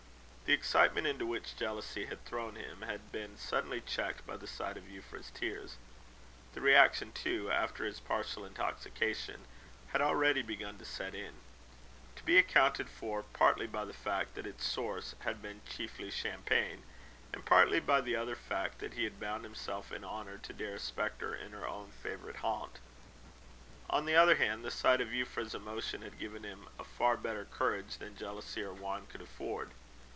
The excitement into which jealousy had thrown him, had been suddenly checked by the sight of Euphra's tears. The reaction, too, after his partial intoxication, had already begun to set in; to be accounted for partly by the fact that its source had been chiefly champagne, and partly by the other fact, that he had bound himself in honour, to dare a spectre in her own favourite haunt. On the other hand, the sight of Euphra's emotion had given him a far better courage than jealousy or wine could afford.